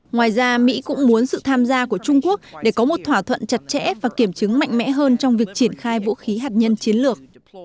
ngoài ra mỹ cũng muốn sự tham gia của trung quốc để có một thỏa thuận chặt chẽ và kiểm chứng mạnh mẽ hơn trong việc triển khai vũ khí hạt nhân chiến lược